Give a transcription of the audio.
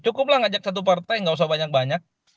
cukuplah ngajak satu partai nggak usah banyak banyak